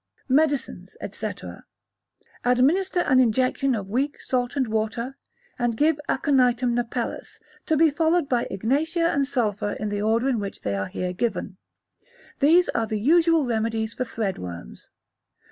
Medicines, &c. Administer an injection of weak salt and water, and give Aconitum napellus, to be followed by Ignatia and Sulphur in the order in which they are here given. These are the usual remedies for thread worms.